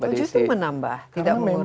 justru menambah tidak mengurang